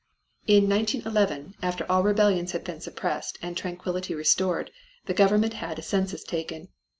In 1911, after all rebellions had been suppressed and tranquillity restored, the government had a census taken.